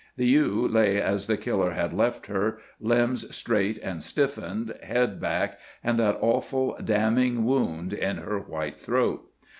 The ewe lay as the killer had left her, limbs straight and stiffened, head back, and that awful, damning wound in her white throat.